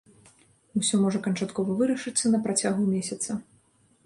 Усё можа канчаткова вырашыцца на працягу месяца.